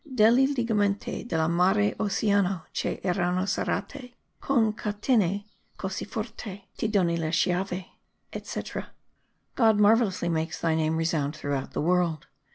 Delli ligamenti del mare Oceano che erano serrati con catene cosi forte, ti dono le chiave, etc. [God marvellously makes thy name resound throughout the world.